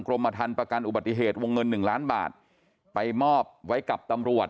กรมทันประกันอุบัติเหตุวงเงินหนึ่งล้านบาทไปมอบไว้กับตำรวจ